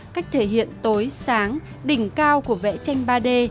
cách thể hiện tối sáng đỉnh cao của vẽ tranh ba d